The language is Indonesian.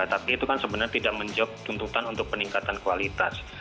tapi itu kan sebenarnya tidak menjawab tuntutan untuk peningkatan kualitas